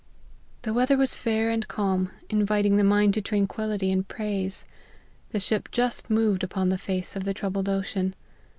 The weather was fair and, calm, inviting the mind to tranquillity and praise : the ship just moved upon the face of the troubled ocean.